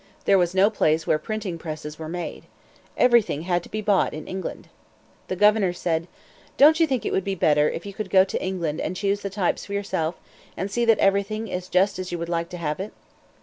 There was no place where printing presses were made. Everything had to be bought in England. The governor said, "Don't you think it would be better if you could go to England and choose the types for yourself, and see that everything is just as you would like to have it?"